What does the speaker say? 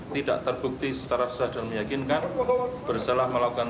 tidak terbukti secara sah dan meyakinkan bersalah melakukan